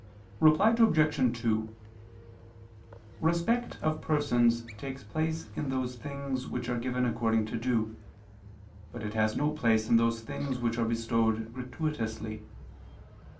Reply Obj. 2: Respect of persons takes place in those things which are given according to due; but it has no place in those things which are bestowed gratuitously.